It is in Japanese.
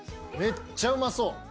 めっちゃうまそう！